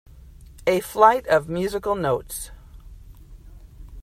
A flight of musical notes.